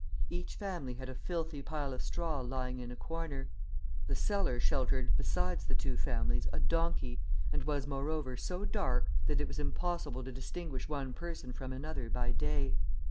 Each family had a filthy pile of straw lying in a corner; the cellar sheltered besides the two families a donkey, and was, moreover, so dark that it was impossible to distinguish one person from another by day.